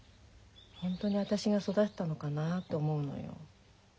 ホントに私が育てたのかなと思うのよ。